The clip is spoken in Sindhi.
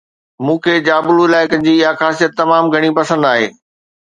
مون کي جابلو علائقن جي اها خاصيت تمام گهڻي پسند آهي